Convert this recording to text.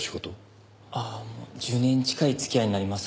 ああ１０年近い付き合いになります。